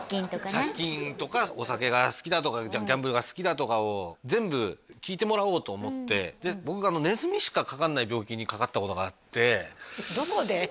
借金とかお酒が好きだとかギャンブルが好きだとかを全部聞いてもらおうと思ってで僕がにかかったことがあってどこで？